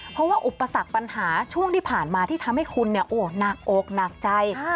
เพราะว่าอุปสรรคปัญหาช่วงที่ผ่านมาที่ทำให้คุณหนักอกหนักใจ